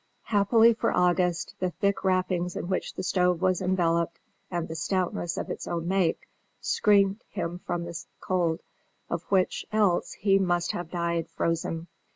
Happily for August, the thick wrappings in which the stove was enveloped and the stoutness of its own make screened him from the cold, of which, else, he must have died frozen.